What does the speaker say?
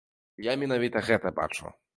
Я менавіта гэта бачу.